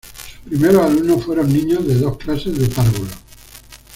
Sus primeros alumnos fueron niños de dos clases de párvulos.